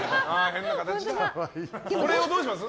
これをどうします？